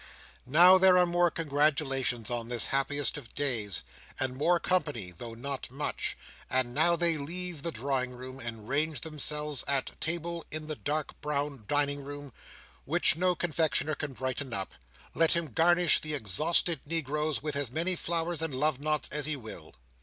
Now, there are more congratulations on this happiest of days, and more company, though not much; and now they leave the drawing room, and range themselves at table in the dark brown dining room, which no confectioner can brighten up, let him garnish the exhausted negroes with as many flowers and love knots as he will.